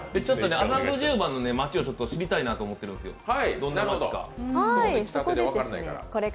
麻布十番の街を知りたいなと思ってるんですよ、どんな街か。